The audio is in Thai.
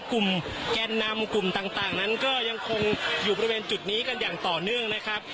แกนนำกลุ่มต่างนั้นก็ยังคงอยู่บริเวณจุดนี้กันอย่างต่อเนื่องนะครับ